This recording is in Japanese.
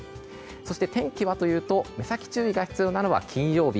そして、天気はというとこの先注意が必要なのは金曜日。